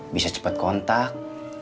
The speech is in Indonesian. bisa cepat kontak